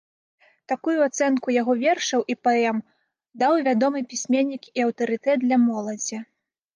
Такую ацэнку яго вершаў і паэм даў вядомы пісьменнік і аўтарытэт для моладзі.